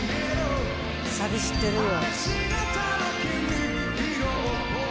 サビ知ってるよ。